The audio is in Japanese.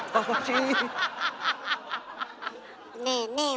ねえねえ